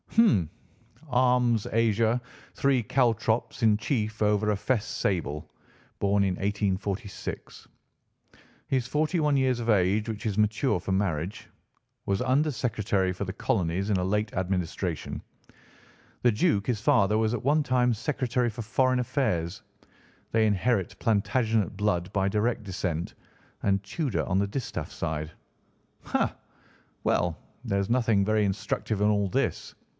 Hum! 'Arms: Azure, three caltrops in chief over a fess sable. Born in 1846.' He's forty one years of age, which is mature for marriage. Was Under Secretary for the colonies in a late administration. The Duke, his father, was at one time Secretary for Foreign Affairs. They inherit Plantagenet blood by direct descent, and Tudor on the distaff side. Ha! Well, there is nothing very instructive in all this.